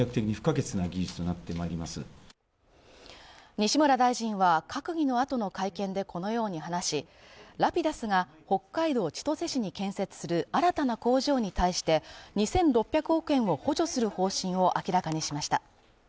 西村大臣は閣議の後の会見でこのように話し、Ｒａｐｉｄｕｓが、北海道千歳市に建設する新たな工場に対して２６００億円を補助する方針を明らかにしました。